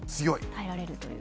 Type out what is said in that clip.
耐えられるという。